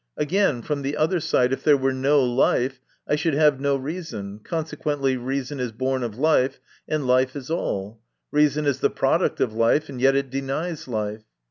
Again, from the other side, if there were no life, I should have no reason, consequently reason is born of life, and life is all. Reason is the product of life, and yet it denies life."